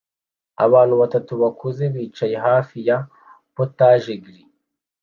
Abantu batatu bakuze bicaye hafi ya POTAGE grill